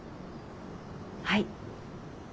はい。